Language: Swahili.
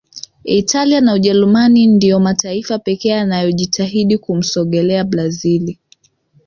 italia na Ujerumani ndiyo mataifa pekee yanayojitahidi kumsogelea brazil